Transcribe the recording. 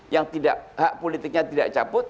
yang tidak hak politiknya tidak cabut